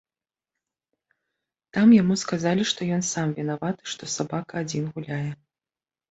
Там яму сказалі, што ён сам вінаваты, што сабака адзін гуляе.